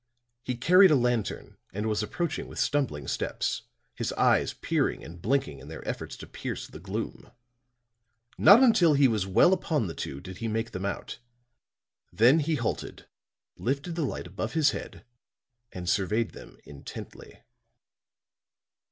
He carried a lantern and was approaching with stumbling steps, his eyes peering and blinking in their efforts to pierce the gloom. Not until he was well upon the two did he make them out; then he halted, lifted the light above his head and surveyed them intently.